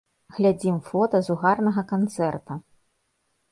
Глядзім фота з угарнага канцэрта.